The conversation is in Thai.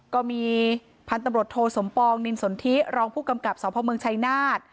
ก็มีพันธุ์ตำรวจโทสมปองนินสนทิรองผู้กำกับสพเมืองชัยนาธ